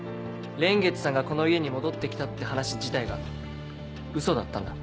蓮月さんがこの家に戻って来たって話自体がウソだったんだ。